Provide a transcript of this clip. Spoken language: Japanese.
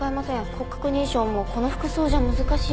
骨格認証もこの服装じゃ難しいし。